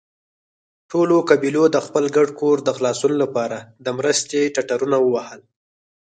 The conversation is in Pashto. ټولو قبيلو د خپل ګډ کور د خلاصون له پاره د مرستې ټټرونه ووهل.